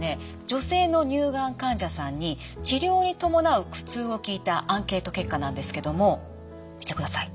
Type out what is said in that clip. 女性の乳がん患者さんに治療に伴う苦痛を聞いたアンケート結果なんですけども見てください。